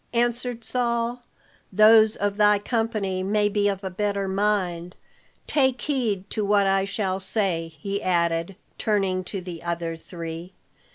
answered Saul. "Those of thy company may be of a better mind. Take heed to what I shall say," he added, turning to the other three.